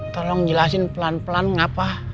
tolong jelasin pelan pelan mengapa